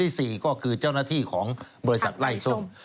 ๔ก็คือเจ้าหน้าที่ของบริษัทไล่ส้ม